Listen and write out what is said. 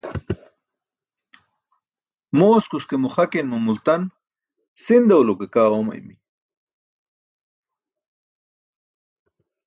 Mooskus ke muxakin mo multan sindaw lo ke kaa oomaymi.